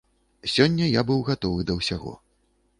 Сёння я быў гатовы да ўсяго.